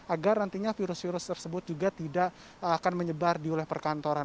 agar nantinya virus virus tersebut juga tidak akan menyebar di wilayah perkantoran